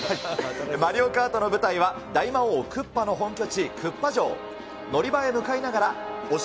マリオカートの舞台は、大魔王クッパの本拠地、クッパ城。